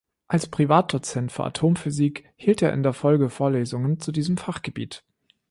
Als Privatdozent für Atomphysik hielt er in der Folge Vorlesungen zu diesem Fachgebiet.